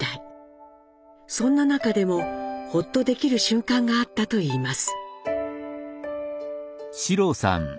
そんな中でもホッとできる瞬間があったといいます。